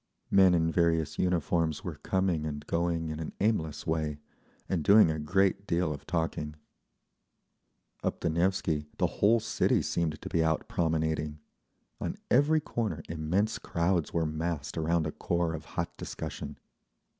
Men in various uniforms were coming and going in an aimless way, and doing a great deal of talking…. Up the Nevsky the whole city seemed to be out promenading. On every corner immense crowds were massed around a core of hot discussion.